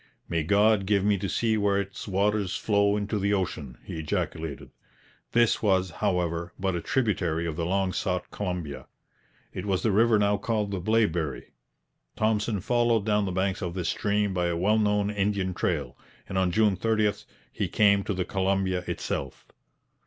'May God give me to see where its waters flow into the ocean,' he ejaculated. This was, however, but a tributary of the long sought Columbia. It was the river now called the Blaeberry. Thompson followed down the banks of this stream by a well known Indian trail, and on June 30 he came to the Columbia itself.